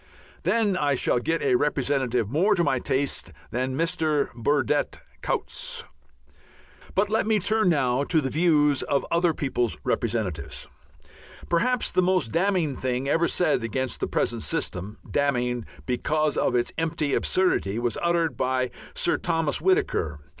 Then I shall get a representative more to my taste than Mr. Burdett Coutts. But let me turn now to the views of other people's representatives. Perhaps the most damning thing ever said against the present system, damning because of its empty absurdity, was uttered by Sir Thomas Whittaker.